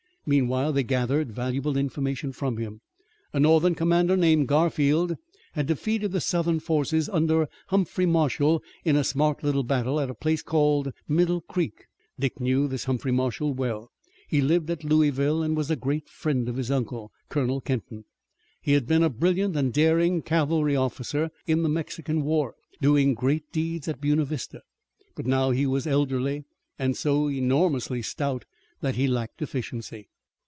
Meanwhile they gathered valuable information from him. A Northern commander named Garfield had defeated the Southern forces under Humphrey Marshall in a smart little battle at a place called Middle Creek. Dick knew this Humphrey Marshall well. He lived at Louisville and was a great friend of his uncle, Colonel Kenton. He had been a brilliant and daring cavalry officer in the Mexican War, doing great deeds at Buena Vista, but now he was elderly and so enormously stout that he lacked efficiency.